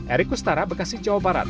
erik kustara bekasi jawa barat